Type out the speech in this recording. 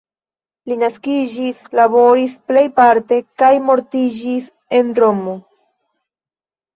Li naskiĝis, laboris plejparte kaj mortiĝis en Romo.